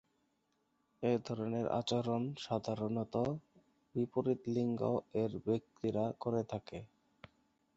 এ ধরণের আচরণ সাধারণত বিপরীত লিঙ্গ-এর ব্যক্তিরা করে থাকে।